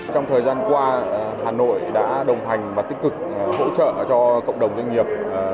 trong thời gian qua hà nội đã đồng hành và tích cực hỗ trợ cho cộng đồng doanh nghiệp